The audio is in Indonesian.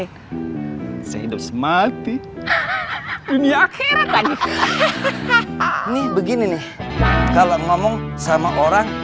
ini hidup semati dunia akhirat lagi hahaha nih begini nih kalau ngomong sama orang yang